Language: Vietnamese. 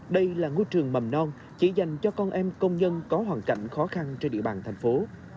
đây là ngôi trường mầm non chỉ dành cho con em công nhân có hoàn cảnh khó khăn trên địa bàn thành phố